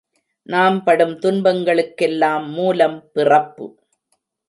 நாம் படும் துன்பங்களுக்கெல்லாம் மூலம் பிறப்பு.